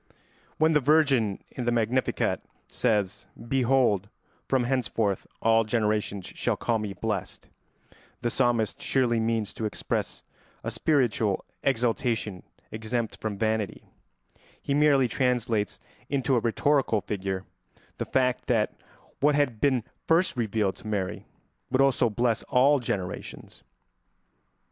When the Virgin in the Magnificat says, "Behold, from henceforth all generations shall call me blessed," the psalmist surely means to express a spiritual exaltation exempt from vanity; he merely translates into a rhetorical figure the fact that what had been first revealed to Mary would also bless all generations.